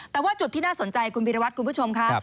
แต่ว่าจุดที่น่าสนใจคุณวิรวัตรคุณผู้ชมค่ะ